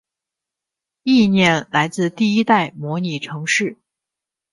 意念来自第一代模拟城市。